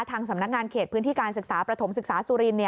ทางสำนักงานเขตพื้นที่การศึกษาประถมศึกษาสุรินทร์